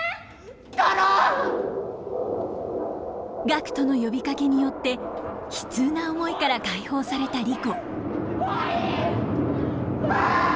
ガクトの呼びかけによって悲痛な思いから解放されたリコ。